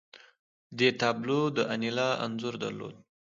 دې تابلو د انیلا انځور درلود